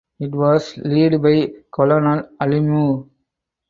It was led by Colonel Alemu.